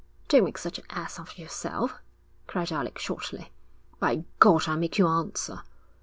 'Don't make such an ass of yourself,' cried Alec, shortly. 'By God, I'll make you answer.'